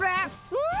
うん。